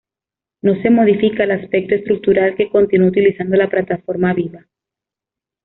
No se modifica el aspecto estructural que continuó utilizando la plataforma Viva.